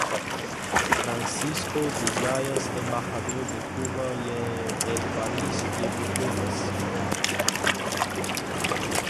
Francisco de Zayas, Embajador de Cuba en París y Bruselas.